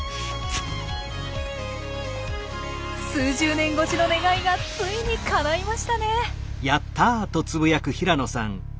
数十年越しの願いがついにかないましたね。